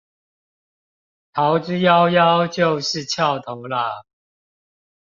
逃之夭夭就是蹺頭啦